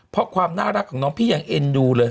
เพราะความน่ารักของน้องพี่ยังเอ็นดูเลย